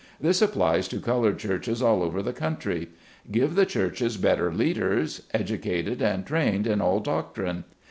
This applies to colored churches all over the country. Give the churches better leaders, educated and trained in all doctrine.